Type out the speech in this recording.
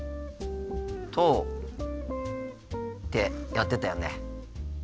とってやってたよね。